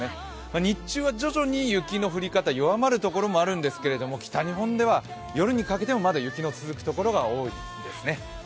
日中は徐々に雪の降り方、弱まる所もあるんですが、北日本では夜にかけても、まだ雪の続く所が多いですね。